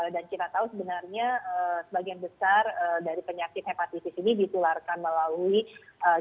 dan kita tahu sebenarnya sebagian besar dari penyakit hepatitis ini ditularkan melalui yang kita sebut sebagai foodborne disease